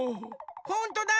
ほんとだ！